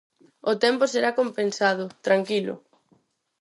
O tempo será compensado, tranquilo.